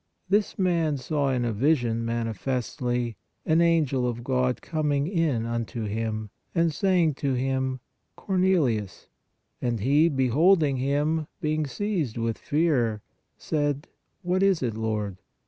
This man saw in a vision manifestly ... PRAYER MADE MORE EFFECTIVE 67 an angel of God coming in unto him, and saying to him: Cornelius. And he, beholding him, being seized with fear, said: What is it, Lord?